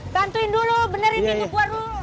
bantuin dulu benerin pintu gue dulu